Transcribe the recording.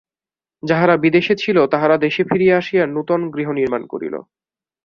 যাহারা বিদেশে ছিল তাহারা দেশে ফিরিয়া আসিয়া নূতন গৃহ নির্মাণ করিল।